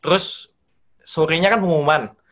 terus sorinya kan pengumuman